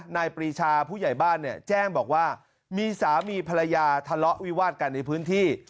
ปรีชาผู้ใหญ่บ้านเนี่ยแจ้งบอกว่ามีสามีภรรยาทะเลาะวิวาดกันในพื้นที่